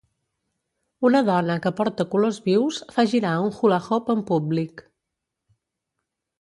Una dona que porta colors vius fa girar un hula-hoop en públic.